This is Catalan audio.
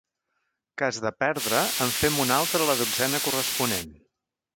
Cas de perdre, en fem una altra a la dotzena corresponent.